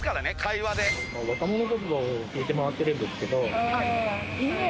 「若者言葉を聞いて回ってるんですけど」